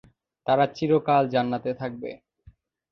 তারা চিরকাল জান্নাতে থাকবে।